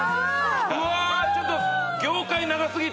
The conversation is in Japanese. うわちょっと業界長すぎて。